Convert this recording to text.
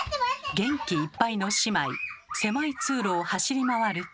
元気いっぱいの姉妹狭い通路を走り回ると。